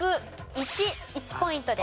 １ポイントです。